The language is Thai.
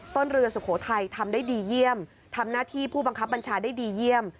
เรือสุโขทัยทำได้ดีเยี่ยมทำหน้าที่ผู้บังคับบัญชาได้ดีเยี่ยม